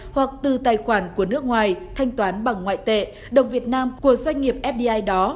hoặc từ tài khoản của nước ngoài thanh toán bằng ngoại tệ đồng việt nam của doanh nghiệp fdi đó